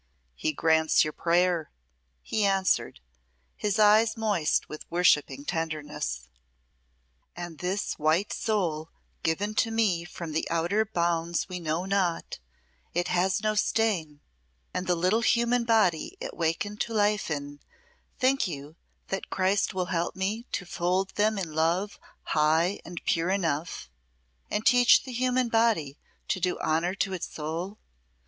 "He grants your prayer," he answered, his eyes moist with worshipping tenderness. "And this white soul given to me from the outer bounds we know not it has no stain; and the little human body it wakened to life in think you that Christ will help me to fold them in love high and pure enough, and teach the human body to do honour to its soul?